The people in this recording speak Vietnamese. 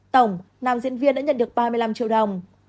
tổng nam diễn viên đã nhận được ba mươi năm triệu đồng